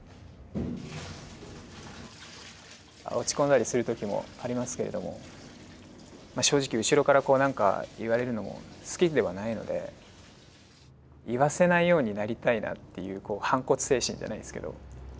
落ち込んだりする時もありますけれどもまあ正直後ろからこう何か言われるのも好きではないので言わせないようになりたいなっていう反骨精神じゃないですけど。